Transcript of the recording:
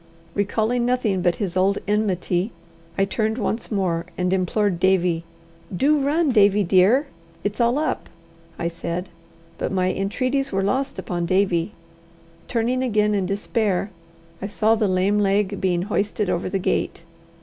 Recalling nothing but his old enmity, I turned once more and implored Davie. "Do run, Davie, dear! it's all up," I said; but my entreaties were lost upon Davie. Turning again in despair, I saw the lame leg being hoisted over the gate.